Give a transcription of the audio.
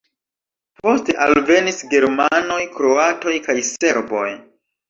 Poste alvenis germanoj, kroatoj kaj serboj.